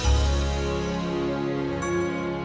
terima kasih ustaz